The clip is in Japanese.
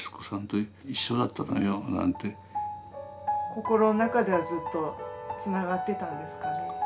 心の中ではずっとつながってたんですかね。